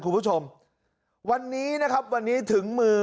คุณผู้ชมวันนี้นะครับวันนี้ถึงมือ